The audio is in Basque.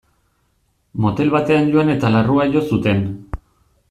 Motel batean joan eta larrua jo zuten.